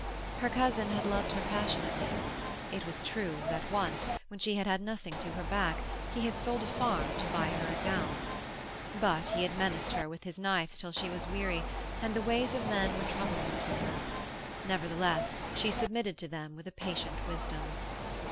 Her cousin had loved her passionately; it was true that once, when she had had nothing to her back, he had sold a farm to buy her a gown. But he had menaced her with his knife till she was weary, and the ways of men were troublesome to her; nevertheless she submitted to them with a patient wisdom.